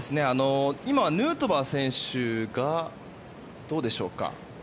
今、ヌートバー選手がどうでしょうか。